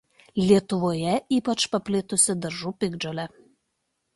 Lietuvoje ypač paplitusi daržų piktžolė.